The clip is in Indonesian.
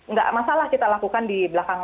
nggak masalah kita lakukan di belakang